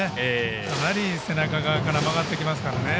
かなり背中側から回ってきますからね。